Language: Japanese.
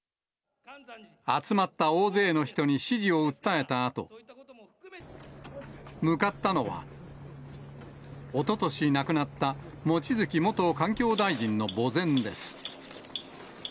集まった大勢の人に支持を訴えたあと、向かったのは、おととし亡くなった望月元環境大臣の墓前です。